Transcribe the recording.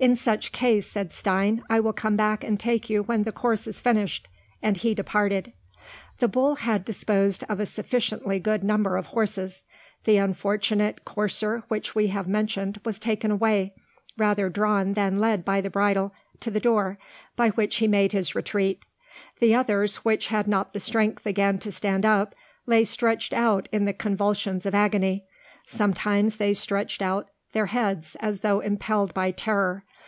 "In such case," said Stein, "I will come back and take you when the course is finished." And he departed. The bull had disposed of a sufficiently good number of horses. The unfortunate courser which we have mentioned was taken away rather drawn than led by the bridle to the door, by which he made his retreat. The others, which had not the strength again to stand up, lay stretched out in the convulsions of agony; sometimes they stretched out their heads as though impelled by terror.